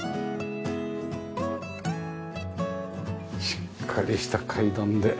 しっかりした階段で。